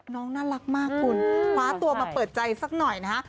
น่ารักมากคุณคว้าตัวมาเปิดใจสักหน่อยนะฮะ